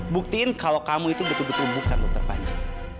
buktiin kalau kamu itu betul betul bukan dokter panjang